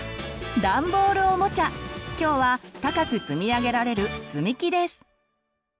今日は高く積み上げられる「つみき」です。